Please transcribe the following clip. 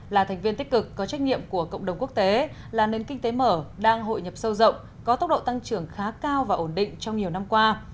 là thành viên tích cực có trách nhiệm của cộng đồng quốc tế là nền kinh tế mở đang hội nhập sâu rộng có tốc độ tăng trưởng khá cao và ổn định trong nhiều năm qua